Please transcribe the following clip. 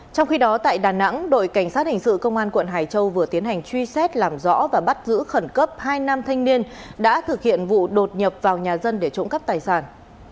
trong khi đó tại đà nẵng đội cảnh sát hình sự công an quận hải châu vừa tiến hành truy xét làm rõ và bắt giữ khẩn cấp hai nam thanh niên đã thực hiện vụ đột nhập vào nhà dân để trộm cắp tài sản